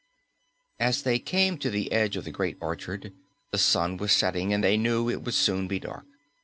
As they came to the edge of the Great Orchard, the sun was setting and they knew it would soon be dark.